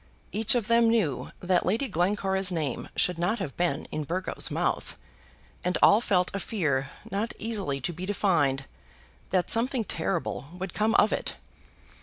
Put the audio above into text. Each of them knew that Lady Glencora's name should not have been in Burgo's mouth, and all felt a fear not easily to be defined that something terrible would come of it.